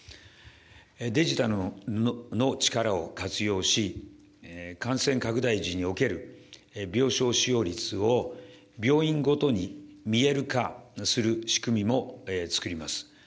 デジタルの力を活用し、感染拡大時における、病床使用率を病院ごとに見える化する仕組みもつくります。